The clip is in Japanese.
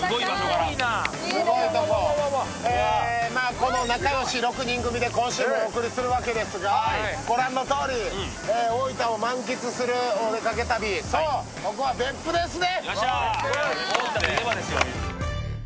この仲よし６人組で今週もお送りするわけですがご覧のとおり、大分を満喫するお出かけ旅、ここは別府ですね。